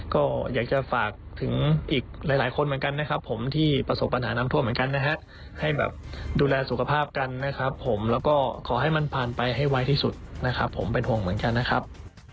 ก็อยากจะฝากถึงอีกหลายคนเหมือนกันนะครับผมที่ประสบปัญหาน้ำท่วมเหมือนกันนะฮะให้แบบดูแลสุขภาพกันนะครับผมแล้วก็ขอให้มันผ่านไปให้ไวที่สุดนะครับผมเป็นห่วงเหมือนกันนะครับ